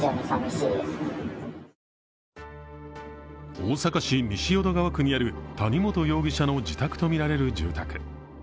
大阪市西淀川区にある谷本容疑者の自宅とみられる住宅。